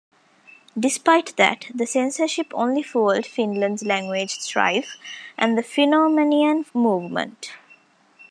Despite that, the censorship only fueled Finland's language strife and the Fennomanian movement.